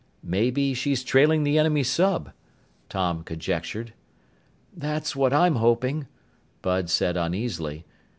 "Maybe she's trailing the enemy sub," Tom conjectured. "That's what I'm hoping," Bud said uneasily.